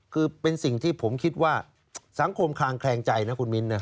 คือเป็นสิ่งที่ผมคิดว่าสังคมคางแคลงใจนะคุณมิ้นนะ